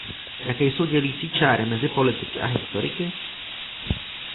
Jaké jsou dělící čáry mezi politiky a historiky?